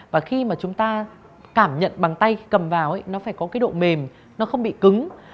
và khi mà chúng ta cảm nhận bằng tay cầm vào ấy nó phải có cái độ mềm nó không bị cứng